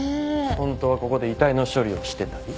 本当はここで遺体の処理をしてたり。